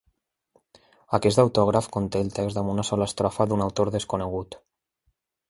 Aquest autògraf conté el text amb una sola estrofa d'un autor desconegut.